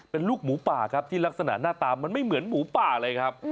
เป็นลูกหมูป่าครับที่ลักษณะหน้าตามันไม่เหมือนหมูป่าเลยครับ